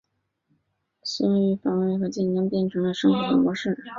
所以防卫和竞争便成为了生活的模式。